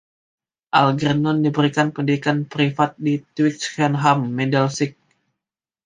Algernon diberi pendidikan privat di Twickenham, Middlesex.